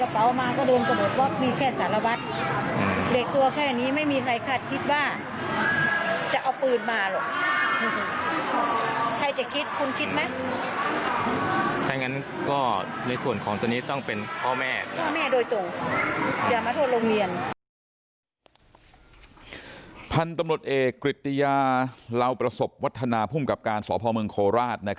พันธุ์ตำรวจเอกกฤติยาเหล่าประสบวัฒนาภูมิกับการสพเมืองโคราช